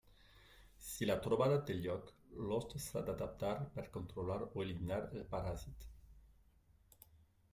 Si la trobada té lloc, l'hoste s'ha d'adaptar per controlar o eliminar el paràsit.